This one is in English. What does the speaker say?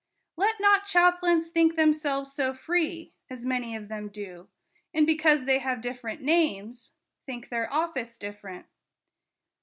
Let not chaplains think them selves so free, as many of them do ; and, because they have different names, think their office different.